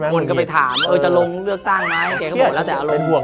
คนก็ไปถามเออจะลงเลือกตั้งไหม